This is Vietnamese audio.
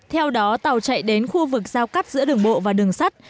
theo đó tàu chạy đến khu vực giao cắt giữa đường bộ và đường sắt